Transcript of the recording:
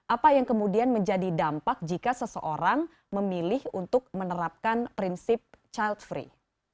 apa yang kemudian menjadi dampak jika seseorang memilih untuk menerapkan prinsip child free